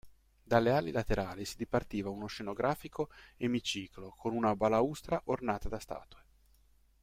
Dalle ali laterali si dipartiva uno scenografico emiciclo con una balaustra ornata da statue.